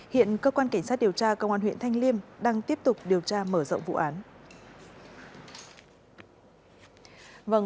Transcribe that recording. hiện cơ quan cảnh sát điều tra công an huyện thanh liêm đang tiếp tục điều tra mở rộng vụ án